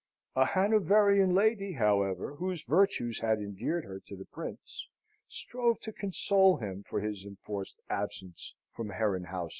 A Hanoverian lady, however, whose virtues had endeared her to the prince, strove to console him for his enforced absence from Herrenhausen.